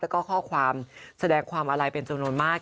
และก็ข้อความแสดงความอะไรเป็นจงโน้นมาก